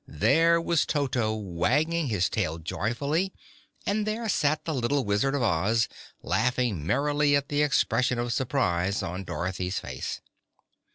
there was Toto wagging his tail joyfully and there sat the little Wizard of Oz, laughing merrily at the expression of surprise on Dorothy's face.